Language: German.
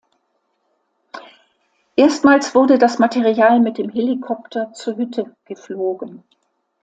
Erstmals wurde das Material mit dem Helikopter zur Hütte geflogen.